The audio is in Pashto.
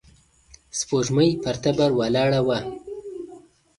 سپوږمۍ پر تبر ولاړه وه.